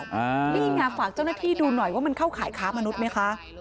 นี่ไงฝากเจ้าหน้าที่ดูหน่อยว่ามันเข้าขายค้ามนุษย์ไหมคะ